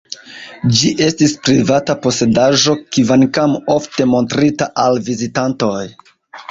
Ĝi estis privata posedaĵo, kvankam ofte montrita al vizitantoj.